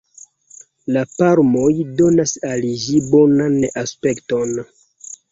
La palmoj donas al ĝi bonan aspekton.